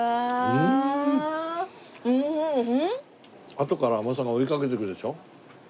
あとから美味しさが追いかけてくるでしょ。